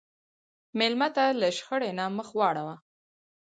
مېلمه ته له شخړې نه مخ واړوه.